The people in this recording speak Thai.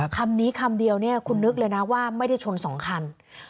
คำนี้คำเดียวเนี่ยคุณนึกเลยนะว่าไม่ได้ชน๒คัน